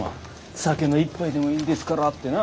酒の一杯でもいいですからってな。